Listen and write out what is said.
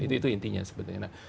itu intinya sebenarnya